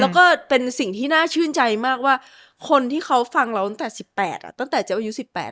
แล้วก็เป็นสิ่งที่น่าชื่นใจมากว่าคนที่เขาฟังเราตั้งแต่๑๘ตั้งแต่เจ๊อายุ๑๘